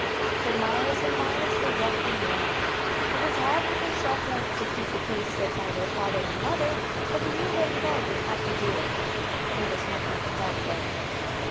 For miles and miles they walked and ran. It was hard with their short legs to keep the pace set by their father and mother, but they knew very well they had to do it. There was no turning back then.